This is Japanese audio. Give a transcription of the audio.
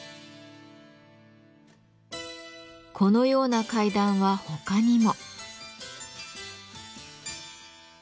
このような階段は他にも。